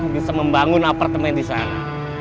bisa membangun apartemen di sana